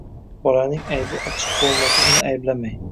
Bolaning aybi ochiq bo‘lmasa uni ayblamang.